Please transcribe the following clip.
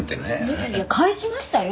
いや返しましたよ。